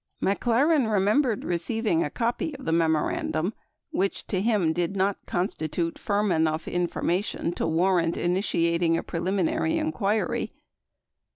McLaren remembered receiving a copy of the memorandum, which to him did not constitute firm enough information to warrant initiat ing a preliminary inquiry.